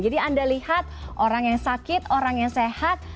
jadi anda lihat orang yang sakit orang yang sehat